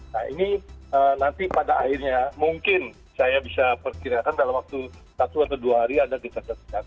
nah ini nanti pada akhirnya mungkin saya bisa perkirakan dalam waktu satu atau dua hari ada desakan